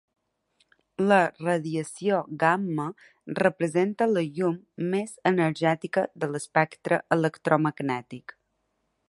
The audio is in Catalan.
La radiació gamma representa la «llum» més energètica de l’espectre electromagnètic.